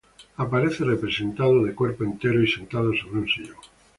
Aparece representado de cuerpo entero y sentado sobre un sillón.